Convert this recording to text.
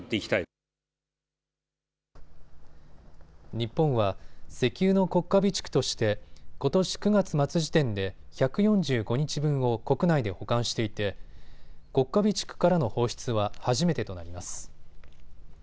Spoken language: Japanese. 日本は石油の国家備蓄としてことし９月末時点で１４５日分を国内で保管していて国家備蓄からの放出は初めてとなります。